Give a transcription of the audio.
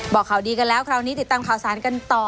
บอกข่าวดีกันแล้วคราวนี้ติดตามข่าวสารกันต่อ